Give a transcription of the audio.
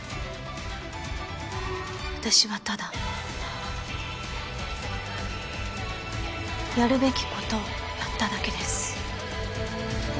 私はただやるべきことをやっただけです。